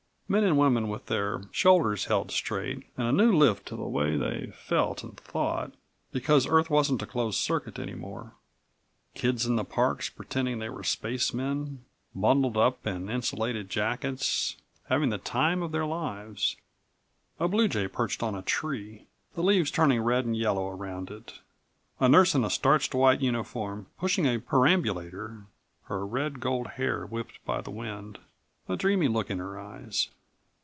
Men and women with their shoulders held straight and a new lift to the way they felt and thought, because Earth wasn't a closed circuit any more. Kids in the parks pretending they were spacemen, bundled up in insulated jackets, having the time of their lives. A blue jay perched on a tree, the leaves turning red and yellow around it. A nurse in a starched white uniform pushing a perambulator, her red gold hair whipped by the wind, a dreamy look in her eyes.